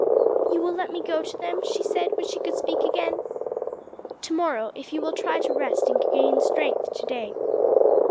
"You will let me go to them?" she said when she could speak again. "To morrow, if you will try to rest and gain strength to day.